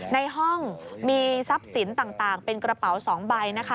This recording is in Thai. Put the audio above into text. ในห้องมีทรัพย์สินต่างเป็นกระเป๋า๒ใบนะคะ